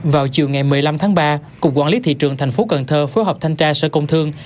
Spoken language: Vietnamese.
vào chiều ngày một mươi năm tháng ba cục quản lý thị trường tp cn phối hợp thanh tra sở công thương